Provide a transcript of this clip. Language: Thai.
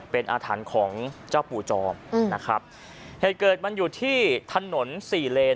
เป็นอาถรรพ์ของเจ้าปู่จอมนะครับเหตุเกิดมันอยู่ที่ถนนสี่เลน